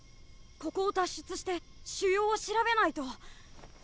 ここを脱出して腫瘍を調べないと。